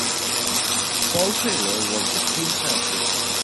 Paul Taylor was the team captain.